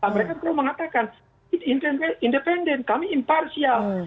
mereka perlu mengatakan independen kami imparsial